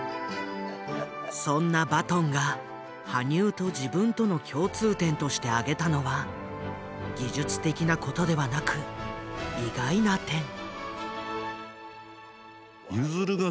そんなバトンが羽生と自分との共通点として挙げたのは技術的なことではなく意外な点。